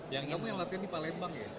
yang kamu yang latihan di palembang ya